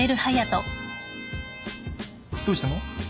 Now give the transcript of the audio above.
どうしたの？